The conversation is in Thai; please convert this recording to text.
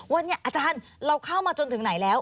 วันนี้อาจารย์เราเข้ามาจนถึงไหนแล้ว